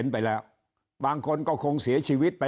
คราวนี้เจ้าหน้าที่ป่าไม้รับรองแนวเนี่ยจะต้องเป็นหนังสือจากอธิบดี